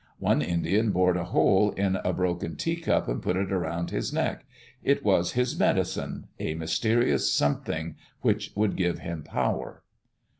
One Indian bored a hole in a broken teacup and put it around his neck. It was his "medicine" — a Mysterious Something which would give him power.